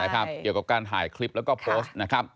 เกี่ยวกับการถ่ายคลิปแล้วก็โพสต์นะครับ